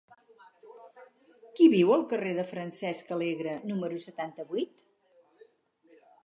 Qui viu al carrer de Francesc Alegre número setanta-vuit?